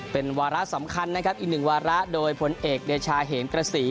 เป็นวาระสำคัญนะครับอีกหนึ่งวาระโดยพลเอกเดชาเหมกระสี